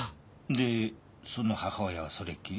でその母親はそれっきり？